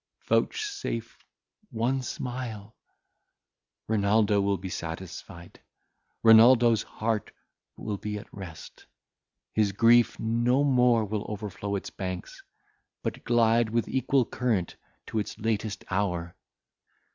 vouchsafe one smile! Renaldo will be satisfied; Renaldo's heart will be at rest; his grief no more will overflow its banks, but glide with equal current to his latest hour!